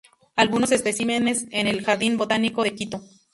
Algunos especímenes en el ""Jardín botánico de Quito"".